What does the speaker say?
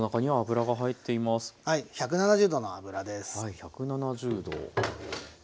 １７０℃。